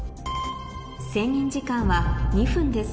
制限時間は２分です